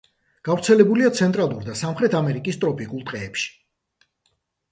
გავრცელებულია ცენტრალურ და სამხრეთ ამერიკის ტროპიკულ ტყეებში.